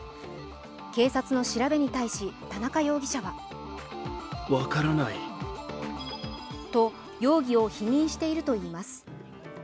警察の調べに対し田中容疑者はと、容疑を否認しているといいます。